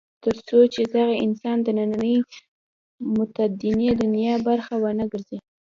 تر څو چې دغه انسان د نننۍ متمدنې دنیا برخه ونه ګرځي.